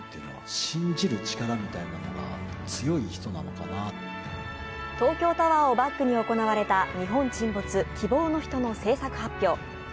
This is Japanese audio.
すると東京タワーをバックに行われた「日本沈没−希望のひと−」の制作発表。